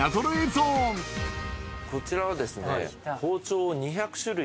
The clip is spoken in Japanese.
こちらはですね。